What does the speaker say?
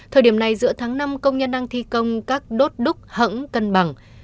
thời điểm này giữa tháng năm công nhân đang thi công các đốt đúc hẳng cân bằng